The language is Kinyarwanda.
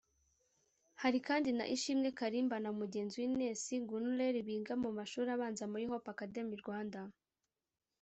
Hari kandi na Ishimwe Karimba na mugenzi we Ines Gunerli biga mu mashuri abanza muri Hope Academy Rwanda